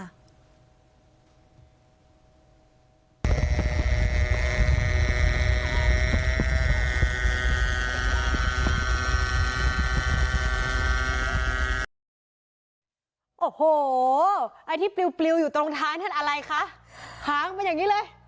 โอ้โหไอ้ที่ปลิวอยู่ตรงท้ายท่านอะไรคะหางเป็นอย่างนี้เลย